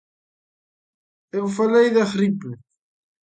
Eu falei da gripe.